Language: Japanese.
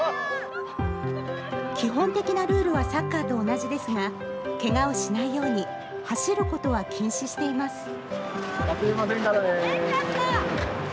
基本的なルールはサッカーと同じですが、けがをしないように走ることは禁止しています。